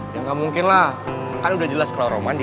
ya nggak mungkin lah kan udah jelas kalau roman